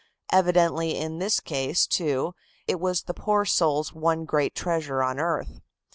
Evidently in this case, too, it was the poor soul's one great treasure on earth.